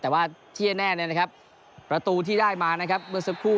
แต่ว่าที่แน่เนี่ยนะครับประตูที่ได้มานะครับเมื่อสักครู่